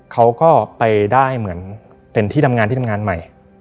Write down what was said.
เขาก็ไปได้เหมือนเป็นที่ทำงานที่ทำงานใหม่